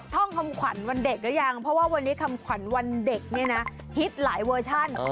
ท่องคำขวัญวันเด็กหรือยังเพราะว่าวันนี้คำขวัญวันเด็กเนี่ยนะฮิตหลายเวอร์ชัน